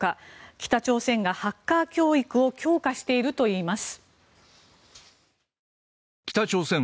北朝鮮がハッカー教育を強化しているといいます。